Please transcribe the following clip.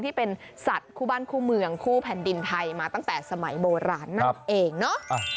ที่เป็นสัตว์คู่บ้านคู่เมืองคู่แผ่นดินไทยมาตั้งแต่สมัยโบราณนั่นเองเนอะ